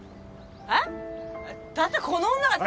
えっ？だってこの女が。